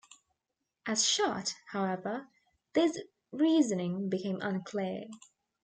As shot, however, this reasoning became unclear.